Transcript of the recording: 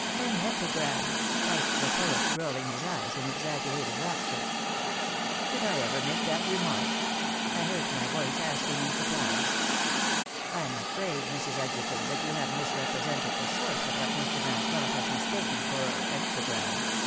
'" "An epigram!" piped the poet, rolling his eyes in exaggerated rapture. "Did I ever make that remark?" I heard my voice asking in surprise. "I'm afraid, Mrs. Edgerton, that you have misrepresented the source of what Mr. Van Tromp has mistaken for an epigram.